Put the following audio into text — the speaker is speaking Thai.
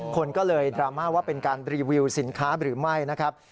คนก็เลยดราม่าว่าเป็นการรีวิวสินค้าหรือไม่นะครับ